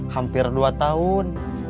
hampir dua tahun